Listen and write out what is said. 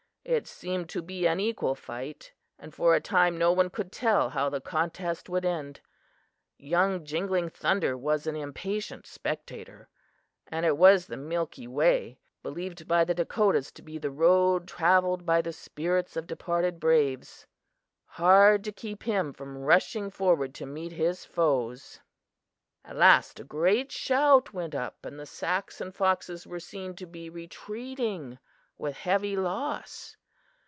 It seemed to be an equal fight, and for a time no one could tell how the contest would end. Young Jingling Thunder was an impatient spectator, and it was The Milky Way believed by the Dakotas to be the road travelled by the spirits of departed braves hard to keep him from rushing forward to meet his foes. "At last a great shout went up, and the Sacs and Foxes were seen to be retreating with heavy loss.